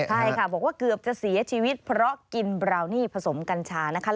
ใช่ค่ะบอกว่าเกือบจะเสียชีวิตเพราะกินบราวนี่ผสมกัญชานะคะ